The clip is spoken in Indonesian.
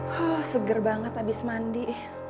huh seger banget abis mandi